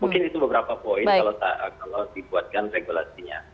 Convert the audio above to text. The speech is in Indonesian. mungkin itu beberapa poin kalau dibuatkan regulasinya